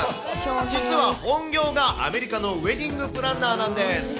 実は本業がアメリカのウェディングプランナーなんです。